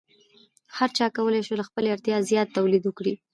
هر چا کولی شو له خپلې اړتیا زیات تولید وکړي.